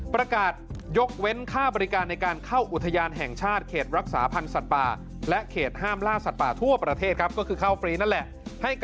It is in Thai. โปรดติดตามต่อไป